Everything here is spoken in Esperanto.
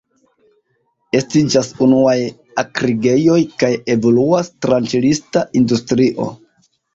Estiĝas unuaj akrigejoj kaj evoluas tranĉilista industrio.